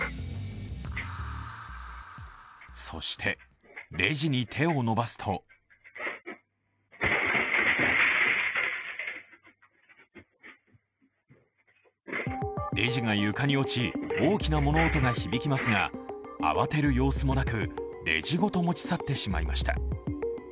そしてレジに手を伸ばすとレジが床に落ち、大きな物音が響きますが慌てる様子もなく、レジごと持ち去ってしまいました。